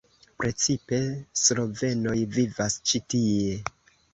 Precipe slovenoj vivas ĉi tie.